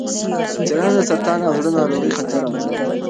څېړنه د سرطان او زړه ناروغۍ خطر ارزوي.